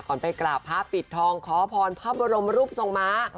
ก่อนไปกลับพระปิดทองขอพรพบรมรุปทรงม้า